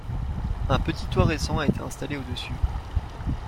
Un petit toit récent a été installé au-dessus.